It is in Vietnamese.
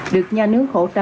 được nhà nước hỗ trợ